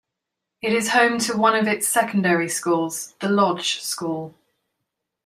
It is home to one of its secondary schools, The Lodge School.